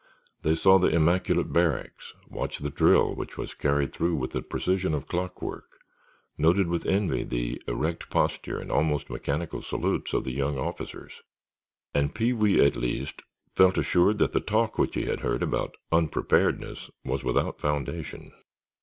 They saw the immaculate barracks, watched the drill which was carried through with the precision of clock work, noted with envy the erect posture and almost mechanical salutes of the young officers, and Pee wee, at least, felt assured that the talk which he had heard about unpreparedness was without foundation.